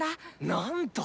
なんと！